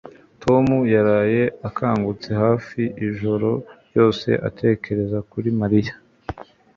Tom yaraye akangutse hafi ijoro ryose atekereza kuri Mariya